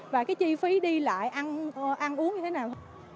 và cái chi phí đi lại ăn uống như thế nào